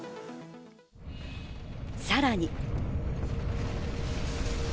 さらに。